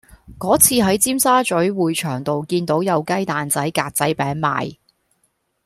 嗰次喺尖沙咀匯翔道見到有雞蛋仔格仔餅賣